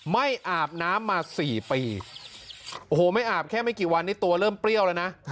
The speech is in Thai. ไม่อาบน้ำมา๔ปีโอ้โหไม่อาบแค่ไม่กี่วันนี้ตัวเริ่มเปรี้ยวแล้วนะ